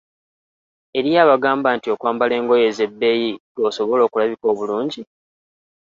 Eriyo abagamba nti okwambala engoye ez‘ebbeeyi lw’osobola okulabika obulungi!